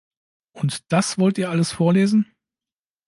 Und das wollt ihr alles vorlesen?